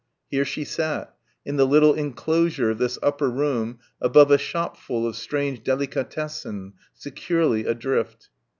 Here she sat, in the little enclosure of this upper room above a shopful of strange Delikatessen, securely adrift.